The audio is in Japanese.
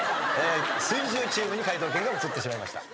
水１０チームに解答権が移ってしまいました。